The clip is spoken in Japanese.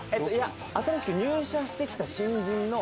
新しく入社してきた新人の。